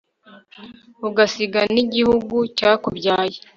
ugasiga n'igihugu cyakubyaye